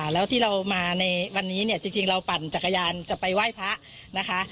แล้วที่เรามาในวันนี้เนี่ยจริงเราปั่นจักรยานจะไปไหว้พระนะคะ